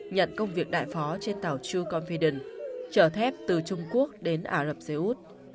nhận công việc đại phó trên tàu true confiden chở thép từ trung quốc đến ả rập xê út